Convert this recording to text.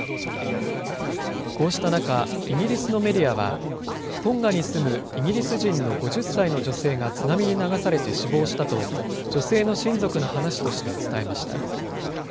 こうした中、イギリスのメディアは、トンガに住むイギリス人の５０歳の女性が津波に流されて死亡したと、女性の親族の話として伝えました。